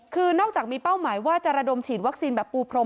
คือนอกจากมีเป้าหมายว่าจะระดมฉีดวัคซีนแบบปูพรม